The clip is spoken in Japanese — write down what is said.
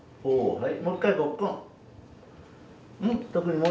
はい。